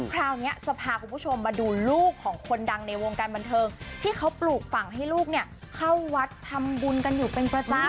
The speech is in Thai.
คราวนี้จะพาคุณผู้ชมมาดูลูกของคนดังในวงการบันเทิงที่เขาปลูกฝั่งให้ลูกเนี่ยเข้าวัดทำบุญกันอยู่เป็นประจำ